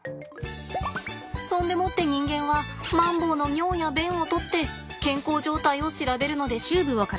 そんでもって人間はマンボウの尿や便を採って健康状態を調べるのです。